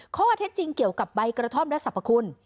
ข้อเท็จจริงเกี่ยวกับใบกระท่อมและสรรพคุณ